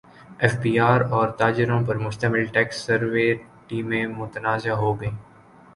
F B R اور تاجروں پر مشتمل ٹیکس سروے ٹیمیں متنازع ہو گئیں